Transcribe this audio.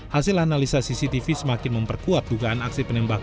hasil analisa cctv semakin memperkuat dugaan aksi penembakan